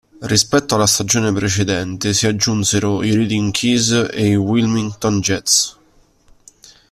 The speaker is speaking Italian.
Rispetto alla stagione precedente si aggiunsero i Reading Keys e i Wilmington Jets.